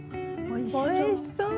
おいしそう。